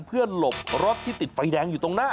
เพื่อหลบรถที่ติดไฟแดงอยู่ตรงหน้า